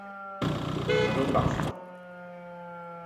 Ma non basta.